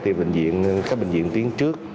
thì các bệnh viện tiến trước